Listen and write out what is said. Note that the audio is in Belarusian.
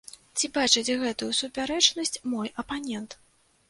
Ці бачыць гэтую супярэчнасць мой апанент?